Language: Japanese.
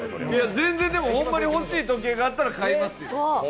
全然、でもホンマにほしい時計があったら買いますよ。